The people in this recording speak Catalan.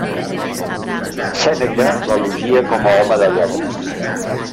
Sèneca l'elogia com a home de lletres.